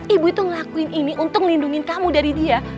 ibu itu ngelakuin ini untuk melindungi kamu dari dia